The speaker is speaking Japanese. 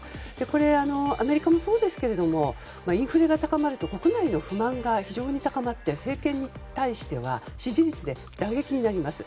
これは、アメリカもそうですがインフレが高まると国内の不満が非常に高まって政権に対しては支持率で打撃になります。